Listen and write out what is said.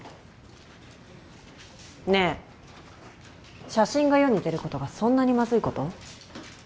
ねえ写真が世に出ることがそんなにマズイこと？